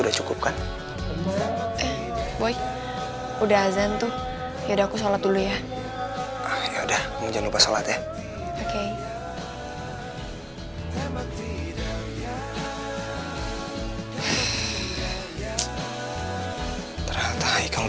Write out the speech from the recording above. ya tapi lama lama kayak sudah senang aprebbeaw friday tadi